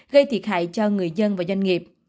gây thiệt hại cho người dân và doanh nghiệp